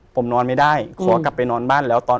ผมนอนไม่ได้ครูบาร์กลับไปนอนบ้านแล้ว